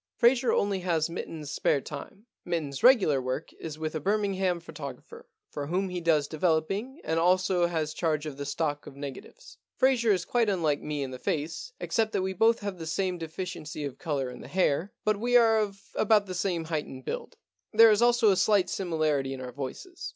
Fraser only has Mitten's spare time. Mitten*s regular work is with a Birmingham photographer, for whom he does developing and also has charge of the stock of negatives. Fraser is quite unlike me in the face, except that we both have the same deficiency of colour in the hair, but we are of about the same height and build. There is also a slight similarity in our voices.